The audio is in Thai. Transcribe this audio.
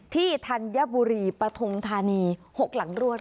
ที่ธัญบุรีปทงธานีหกหลังรวด